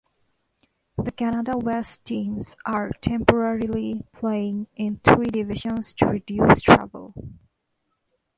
The Canada West teams are temporarily playing in three divisions to reduce travel.